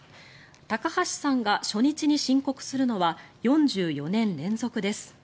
高橋さんが初日に申告するのは４４年連続です。